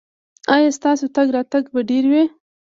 ایا ستاسو تګ راتګ به ډیر وي؟